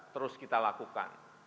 terus kita lakukan